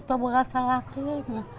tidak salah kelinya